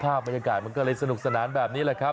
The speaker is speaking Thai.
บรรยากาศมันก็เลยสนุกสนานแบบนี้แหละครับ